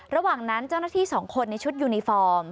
ระหว่างนั้นเจ้าหน้าที่๒คนในชุดยูนิฟอร์ม